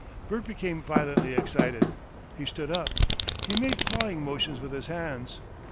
Bert became violently excited. He stood up. He made clawing motions with his hands.